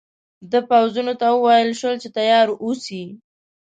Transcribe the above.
د پوځونو ته وویل شول چې تیار اوسي.